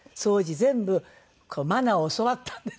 全部マナーを教わったんです。